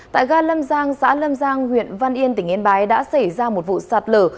tại ga lâm giang xã lâm giang huyện văn yên tỉnh yên bái đã xảy ra một vụ sạt lở